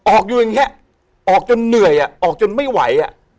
ออกอยู่อย่างนี้ออกจนเหนื่อยออกจนไม่ไหว